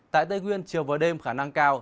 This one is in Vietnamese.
tại tây nguyên chiều vào đêm khả năng cao